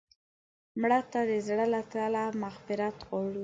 مړه ته د زړه له تله مغفرت غواړو